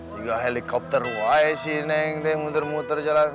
juga helikopter why sih neng deh muter muter jalan